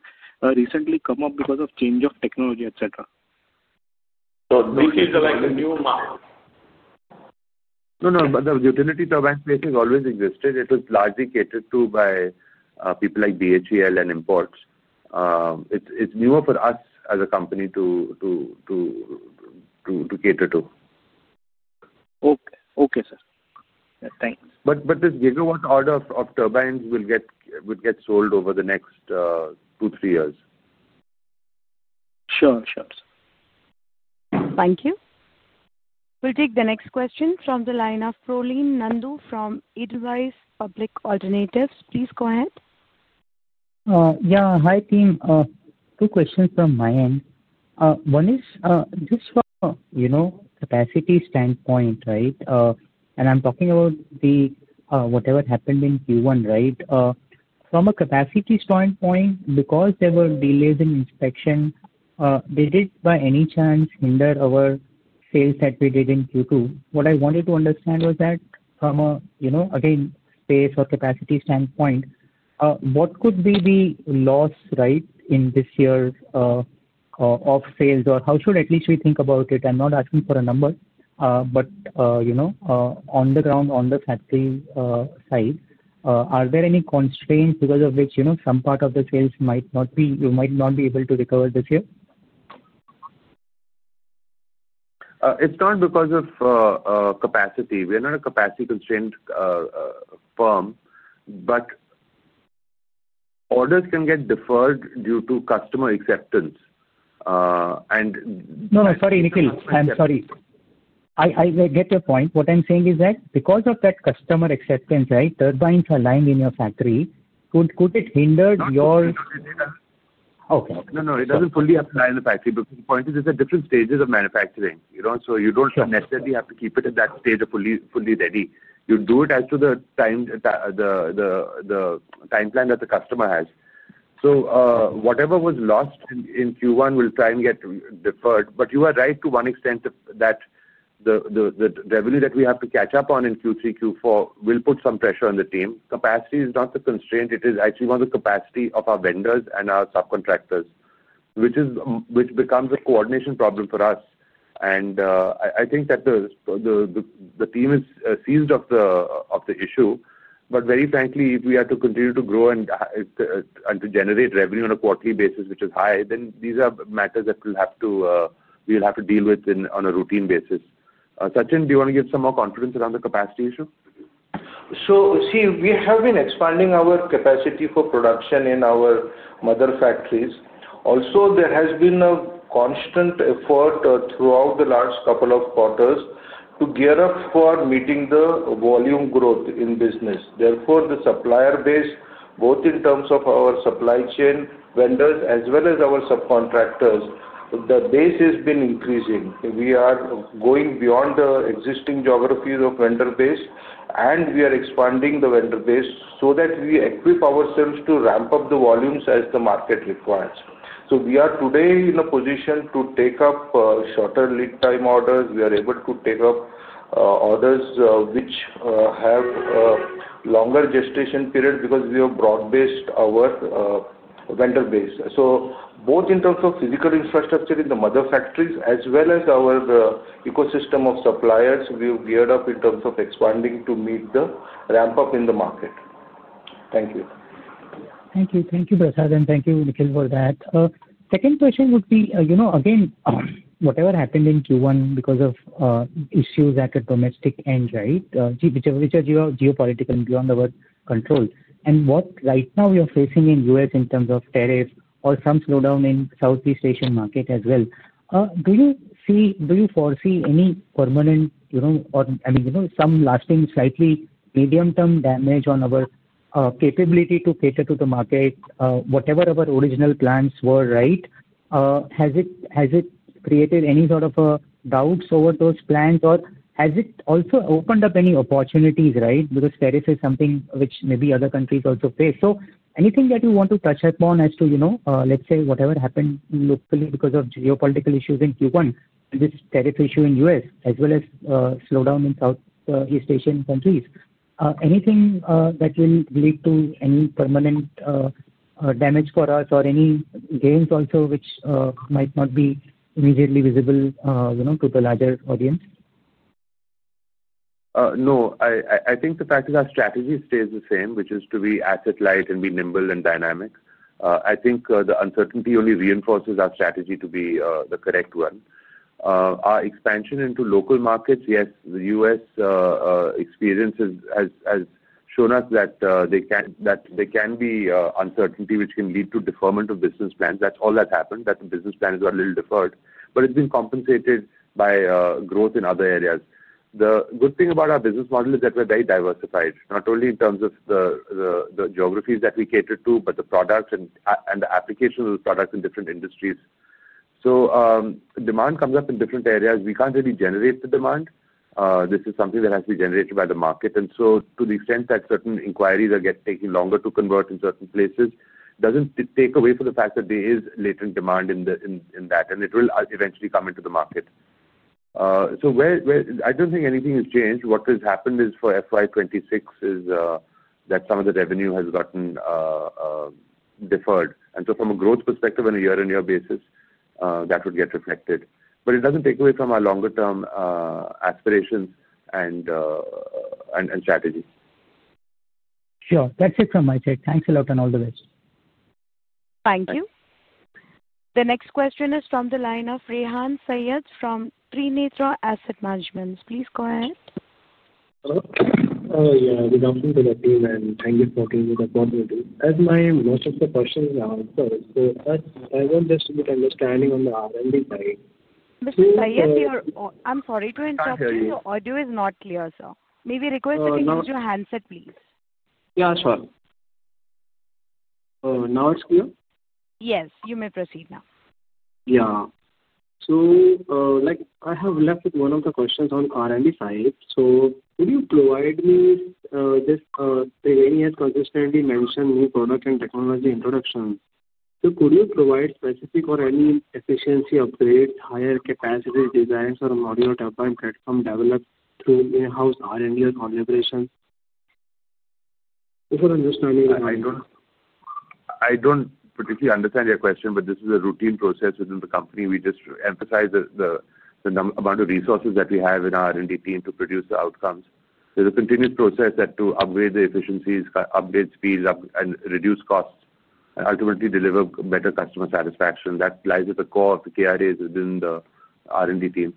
recently come up because of change of technology, etc.? This is like a new market. No, no. The utility turbine space has always existed. It was largely catered to by people like BHEL and imports. It's newer for us as a company to cater to. Okay. Okay, sir. Thanks. This gigawatt order of turbines would get sold over the next two, three years. Sure, sure. Thank you. We'll take the next question from the line of Prolin Nandu from Edelweiss Public Alternatives. Please go ahead. Yeah. Hi, team. Two questions from my end. One is just from a capacity standpoint, right? And I'm talking about whatever happened in Q1, right? From a capacity standpoint, because there were delays in inspection, did it by any chance hinder our sales that we did in Q2? What I wanted to understand was that from a, again, space or capacity standpoint, what could be the loss, right, in this year of sales, or how should at least we think about it? I'm not asking for a number, but on the ground, on the factory side, are there any constraints because of which some part of the sales might not be you might not be able to recover this year? is not because of capacity. We are not a capacity-constrained firm, but orders can get deferred due to customer acceptance. No, no. Sorry, Nikhil. I'm sorry. I get your point. What I'm saying is that because of that customer acceptance, right, turbines are lying in your factory, could it hinder your. No, no. It doesn't fully apply in the factory because the point is it's at different stages of manufacturing. You don't necessarily have to keep it at that stage of fully ready. You do it as to the timeline that the customer has. Whatever was lost in Q1, we'll try and get deferred. You are right to one extent that the revenue that we have to catch up on in Q3, Q4 will put some pressure on the team. Capacity is not the constraint. It is actually more the capacity of our vendors and our subcontractors, which becomes a coordination problem for us. I think that the team is seized of the issue. Very frankly, if we are to continue to grow and to generate revenue on a quarterly basis, which is high, then these are matters that we'll have to deal with on a routine basis. Sachin, do you want to give some more confidence around the capacity issue? See, we have been expanding our capacity for production in our mother factories. Also, there has been a constant effort throughout the last couple of quarters to gear up for meeting the volume growth in business. Therefore, the supplier base, both in terms of our supply chain vendors as well as our subcontractors, the base has been increasing. We are going beyond the existing geographies of vendor base, and we are expanding the vendor base so that we equip ourselves to ramp up the volumes as the market requires. We are today in a position to take up shorter lead time orders. We are able to take up orders which have a longer gestation period because we have broad-based our vendor base. Both in terms of physical infrastructure in the mother factories as well as our ecosystem of suppliers, we have geared up in terms of expanding to meet the ramp-up in the market. Thank you. Thank you. Thank you, Prasad. Thank you, Nikhil, for that. Second question would be, again, whatever happened in Q1 because of issues at a domestic end, right, which are geopolitical and beyond our control. What right now you're facing in the US in terms of tariff or some slowdown in Southeast Asian market as well, do you foresee any permanent or, I mean, some lasting slightly medium-term damage on our capability to cater to the market, whatever our original plans were, right? Has it created any sort of doubts over those plans, or has it also opened up any opportunities, right, because tariff is something which maybe other countries also face? So anything that you want to touch upon as to, let's say, whatever happened locally because of geopolitical issues in Q1, this tariff issue in the U.S., as well as slowdown in Southeast Asian countries, anything that will lead to any permanent damage for us or any gains also which might not be immediately visible to the larger audience? No. I think the fact is our strategy stays the same, which is to be asset-light and be nimble and dynamic. I think the uncertainty only reinforces our strategy to be the correct one. Our expansion into local markets, yes, the U.S. experience has shown us that there can be uncertainty which can lead to deferment of business plans. That is all that has happened, that the business plans are a little deferred. It has been compensated by growth in other areas. The good thing about our business model is that we are very diversified, not only in terms of the geographies that we cater to, but the products and the application of the products in different industries. Demand comes up in different areas. We cannot really generate the demand. This is something that has been generated by the market. To the extent that certain inquiries are taking longer to convert in certain places, it does not take away from the fact that there is latent demand in that, and it will eventually come into the market. I do not think anything has changed. What has happened for FY 2026 is that some of the revenue has gotten deferred. From a growth perspective on a year-on-year basis, that would get reflected. It does not take away from our longer-term aspirations and strategy. Sure. That's it from my side. Thanks a lot and all the best. Thank you. The next question is from the line of Rehan Saiyyed from Trinetra Asset Management. Please go ahead. Hello. Yeah, good afternoon to the team, and thank you for giving me the opportunity. As most of my questions are answered, I just want to get understanding on the R&D side. Mr. Saiyyed, we are—I'm sorry to interrupt you. The audio is not clear, sir. May we request that you use your handset, please? Yeah, sure. So now it's clear? Yes. You may proceed now. Yeah. I have left with one of the questions on R&D side. Could you provide me this? Triveni has consistently mentioned new product and technology introductions. Could you provide specific or any efficiency upgrades, higher capacity designs for modular turbine platform developed through in-house R&D or collaboration? Just for understanding the background. I don't particularly understand your question, but this is a routine process within the company. We just emphasize the amount of resources that we have in our R&D team to produce the outcomes. There is a continuous process to upgrade the efficiencies, update speed, and reduce costs, and ultimately deliver better customer satisfaction. That lies at the core of the KRAs within the R&D team.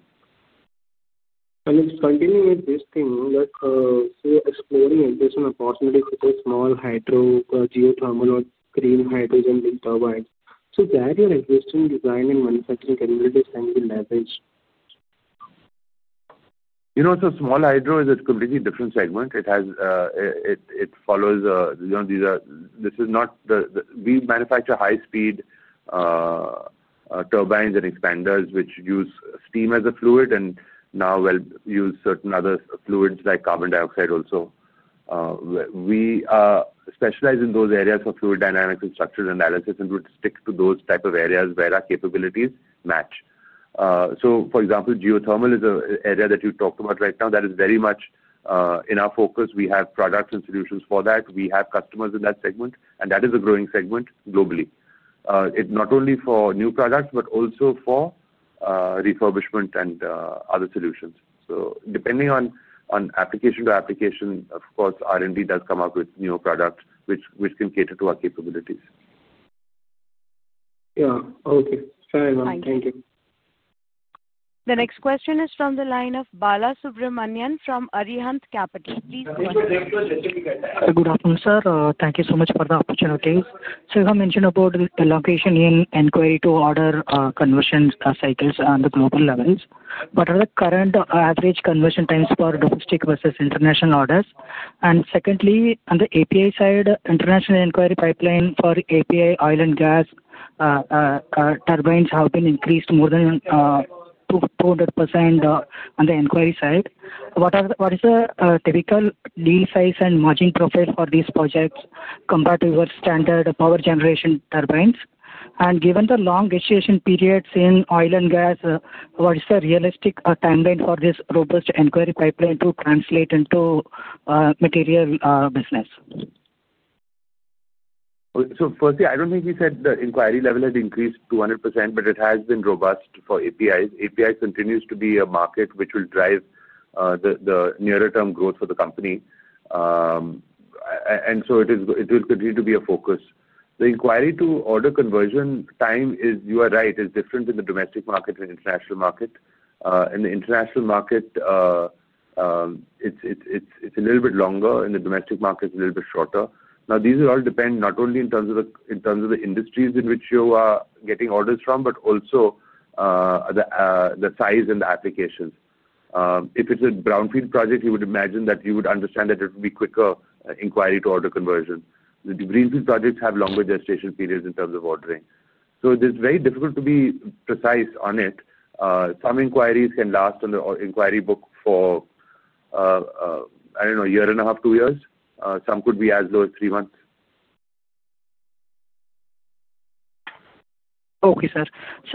It's continuously existing, so exploring existing opportunities for the small hydro, geothermal, or green hydrogen-based turbines. There your existing design and manufacturing capabilities can be leveraged. Small hydro is a completely different segment. It follows—this is not the—we manufacture high-speed turbines and expanders which use steam as a fluid and now will use certain other fluids like carbon dioxide also. We specialize in those areas for fluid dynamics and structural analysis and would stick to those types of areas where our capabilities match. For example, geothermal is an area that you talked about right now that is very much in our focus. We have products and solutions for that. We have customers in that segment, and that is a growing segment globally. It's not only for new products, but also for refurbishment and other solutions. Depending on application to application, of course, R&D does come up with new products which can cater to our capabilities. Yeah. Okay. Fair enough. Thank you. The next question is from the line of Balasubramanian from Arihant Capital. Please go ahead. Good afternoon, sir. Thank you so much for the opportunities. You have mentioned about the location in inquiry to order conversion cycles on the global levels. What are the current average conversion times for domestic versus international orders? Secondly, on the API side, international inquiry pipeline for API oil and gas turbines have been increased more than 200% on the inquiry side. What is the typical deal size and margin profile for these projects compared to your standard power generation turbines? Given the long gestation periods in oil and gas, what is the realistic timeline for this robust inquiry pipeline to translate into material business? Firstly, I don't think you said the inquiry level has increased 200%, but it has been robust for APIs. APIs continues to be a market which will drive the nearer-term growth for the company. It will continue to be a focus. The inquiry to order conversion time, you are right, is different in the domestic market and international market. In the international market, it's a little bit longer. In the domestic market, it's a little bit shorter. These all depend not only in terms of the industries in which you are getting orders from, but also the size and the applications. If it's a brownfield project, you would imagine that you would understand that it would be quicker inquiry to order conversion. The greenfield projects have longer gestation periods in terms of ordering. It is very difficult to be precise on it. Some inquiries can last on the inquiry book for, I don't know, a year and a half, two years. Some could be as low as three months. Okay, sir.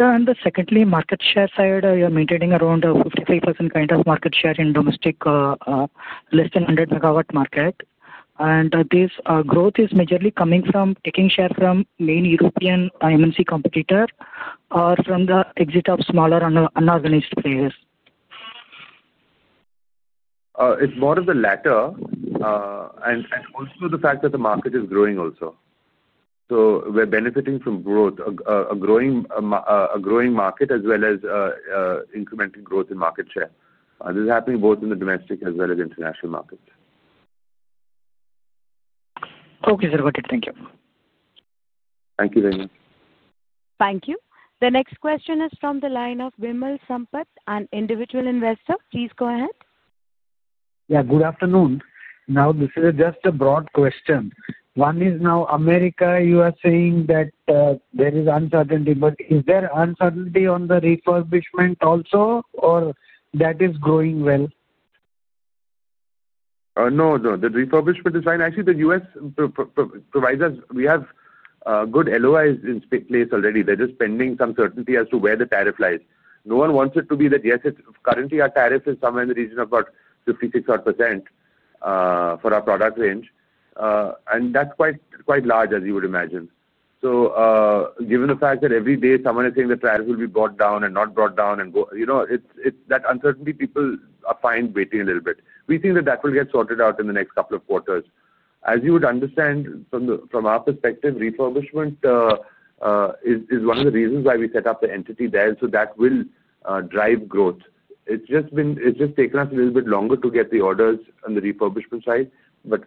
On the secondly, market share side, you're maintaining around 55% kind of market share in domestic less than 100 MW market. Is this growth majorly coming from taking share from main European MNC competitor or from the exit of smaller unorganized players? It's more of the latter and also the fact that the market is growing also. So we're benefiting from growth, a growing market as well as incremental growth in market share. This is happening both in the domestic as well as international markets. Okay, sir. Got it. Thank you. Thank you very much. Thank you. The next question is from the line of Vimal Sampat, an individual investor. Please go ahead. Yeah. Good afternoon. Now, this is just a broad question. One is now America, you are saying that there is uncertainty, but is there uncertainty on the refurbishment also, or that is growing well? No, no. The refurbishment is fine. Actually, the US providers, we have good LOIs in place already. They're just pending some certainty as to where the tariff lies. No one wants it to be that, yes, currently our tariff is somewhere in the region of about 56-odd % for our product range. And that's quite large, as you would imagine. Given the fact that every day someone is saying the tariff will be brought down and not brought down, and that uncertainty, people are fine waiting a little bit. We think that that will get sorted out in the next couple of quarters. As you would understand, from our perspective, refurbishment is one of the reasons why we set up the entity there, so that will drive growth. It's just taken us a little bit longer to get the orders on the refurbishment side, but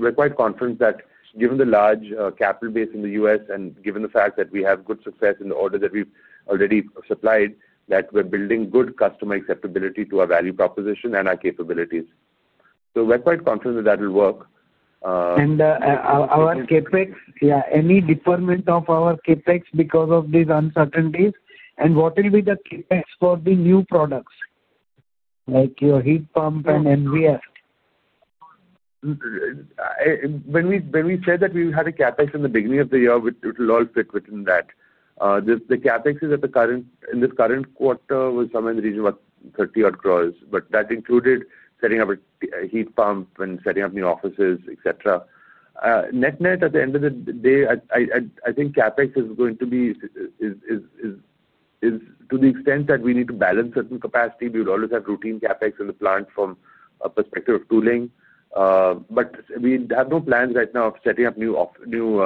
we're quite confident that given the large capital base in the U.S. and given the fact that we have good success in the order that we've already supplied, that we're building good customer acceptability to our value proposition and our capabilities. We're quite confident that that will work. Our CapEx, yeah, any deferment of our CapEx because of these uncertainties? What will be the CapEx for the new products, like your heat pump and MVR? When we said that we had a CAPEX in the beginning of the year, it will all fit within that. The CAPEX is at the current in this current quarter, we're somewhere in the region of about 300 million-odd, but that included setting up a heat pump and setting up new offices, etc. Net-net, at the end of the day, I think CAPEX is going to be to the extent that we need to balance certain capacity, we would always have routine CAPEX in the plant from a perspective of tooling. We have no plans right now of setting up new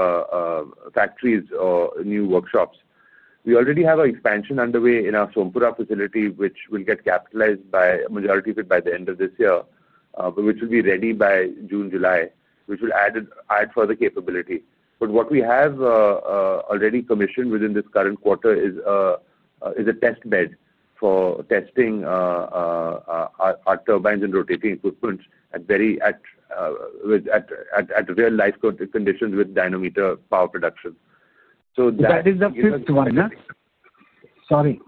factories or new workshops. We already have an expansion underway in our Sompura facility, which will get capitalized by majority of it by the end of this year, which will be ready by June, July, which will add further capability. What we have already commissioned within this current quarter is a test bed for testing our turbines and rotating equipment at real-life conditions with dynamometer power production. So that. That is the fifth one, huh? Sorry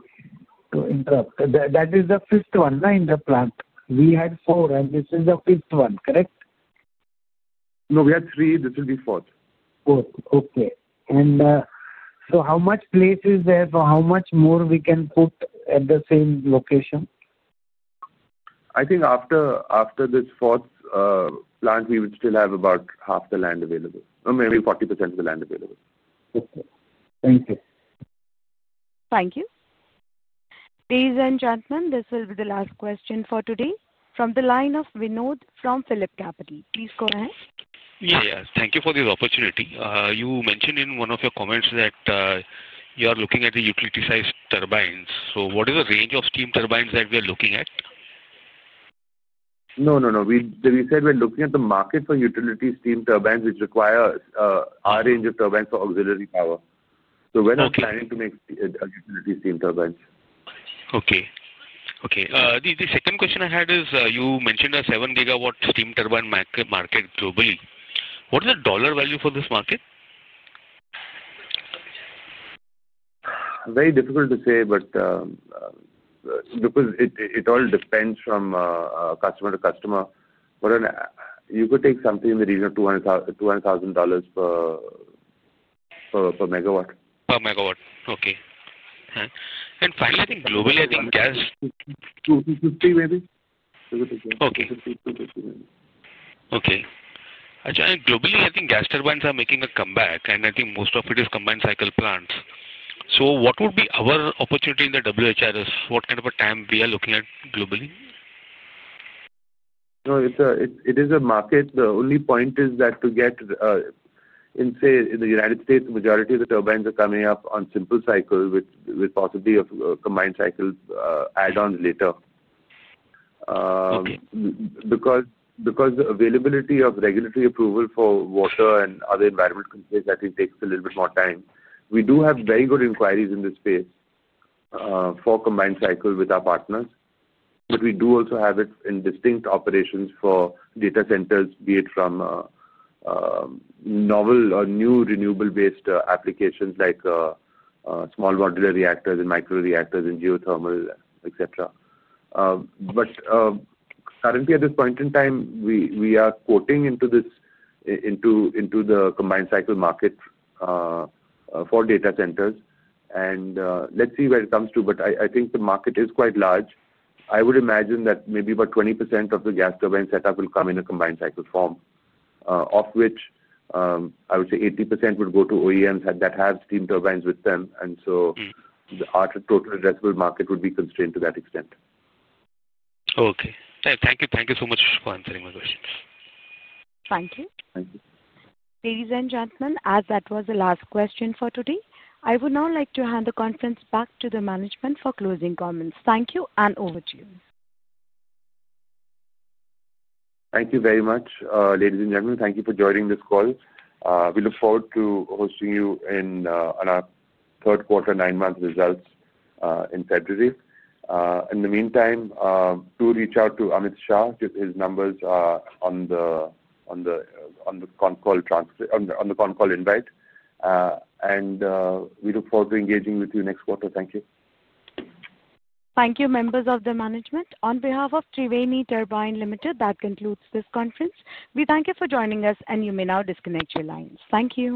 to interrupt. That is the fifth one in the plant. We had four, and this is the fifth one, correct? No, we had three. This will be fourth. Fourth. Okay. And how much place is there for how much more we can put at the same location? I think after this fourth plant, we would still have about half the land available, or maybe 40% of the land available. Okay. Thank you. Thank you. Ladies and gentlemen, this will be the last question for today from the line of Vinod from Phillip Capital. Please go ahead. Yes. Thank you for this opportunity. You mentioned in one of your comments that you are looking at the utility-sized turbines. What is the range of steam turbines that we are looking at? No, no, no. We said we're looking at the market for utility steam turbines which require our range of turbines for auxiliary power. So we're not planning to make utility steam turbines. Okay. Okay. The second question I had is you mentioned a 7-gigawatt steam turbine market globally. What is the dollar value for this market? Very difficult to say, because it all depends from customer to customer. You could take something in the region of $200,000 per megawatt. Per megawatt. Okay. Finally, I think globally, I think gas. 2,250 maybe. Okay. 2,250 maybe. Okay. Actually, globally, I think gas turbines are making a comeback, and I think most of it is combined cycle plants. What would be our opportunity in the WHRS? What kind of a time are we looking at globally? No, it is a market. The only point is that to get in, say, in the United States, the majority of the turbines are coming up on simple cycle with possibly a combined cycle add-on later. Because the availability of regulatory approval for water and other environmental complaints, I think, takes a little bit more time. We do have very good inquiries in this space for combined cycle with our partners, but we do also have it in distinct operations for data centers, be it from novel or new renewable-based applications like small modular reactors and micro reactors and geothermal, etc. Currently, at this point in time, we are quoting into the combined cycle market for data centers. Let's see where it comes to, but I think the market is quite large. I would imagine that maybe about 20% of the gas turbine setup will come in a combined cycle form, of which I would say 80% would go to OEMs that have steam turbines with them. Our total addressable market would be constrained to that extent. Okay. Thank you. Thank you so much for answering my questions. Thank you. Thank you. Ladies and gentlemen, as that was the last question for today, I would now like to hand the conference back to the management for closing comments. Thank you, and over to you. Thank you very much, ladies and gentlemen. Thank you for joining this call. We look forward to hosting you in our third quarter, nine-month results in February. In the meantime, do reach out to Amit Shah. His numbers are on the con call invite. We look forward to engaging with you next quarter. Thank you. Thank you, members of the management. On behalf of Triveni Turbine Limited, that concludes this conference. We thank you for joining us, and you may now disconnect your lines. Thank you.